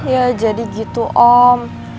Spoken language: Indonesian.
ya jadi gitu om